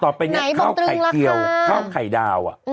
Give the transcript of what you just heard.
ต่อไปก็ข้าวไข่เตี่ยวข้าวไข่ดาว